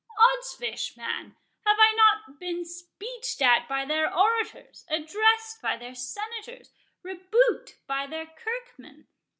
—Oddsfish, man, have I not been speeched at by their orators, addressed by their senators, rebuked by their kirkmen?